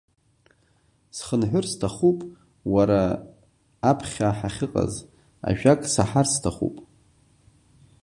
Схынҳәыр сҭахуп, уара, аԥхьа ҳахьыҟаз, ажәак саҳар сҭахуп…